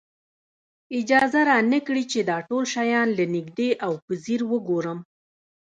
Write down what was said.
اجازه را نه کړي چې دا ټول شیان له نږدې او په ځیر وګورم.